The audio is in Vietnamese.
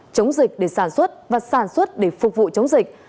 chống dịch để sản xuất và sản xuất để phục vụ chống dịch